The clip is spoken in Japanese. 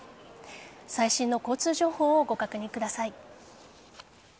最新の交通情報をご確認ください。